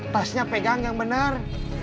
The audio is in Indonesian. tasnya pegang yang bener